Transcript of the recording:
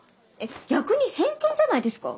逆に偏見じゃないですか？